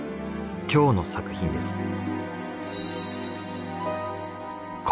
今日の作品です。